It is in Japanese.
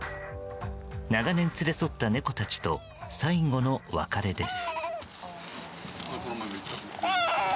長年連れ添った猫たちと最後の別れです。